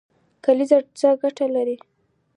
کلیزه څه ګټه لري؟